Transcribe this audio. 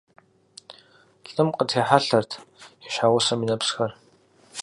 Лӏым къытехьэлъэрт и щхьэгъусэм и нэпсхэр.